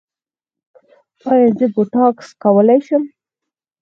ایا زه بوټاکس کولی شم؟